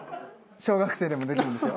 小学生でもできるんですよ。